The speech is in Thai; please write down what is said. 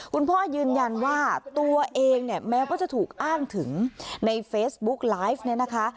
คุณพ่อยืนยันว่าตัวเองเนี่ยแม้ว่าจะถูกอ้างถึงในเฟซบุ๊กไลฟ์เนี่ยนะคะ